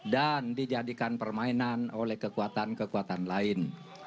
dan dijadikan permainan oleh kekuatan kekuatan lain